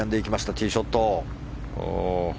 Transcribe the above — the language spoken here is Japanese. ティーショット。